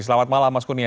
selamat malam mas kurnia